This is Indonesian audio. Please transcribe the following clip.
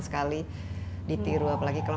sekali ditiru apalagi kalau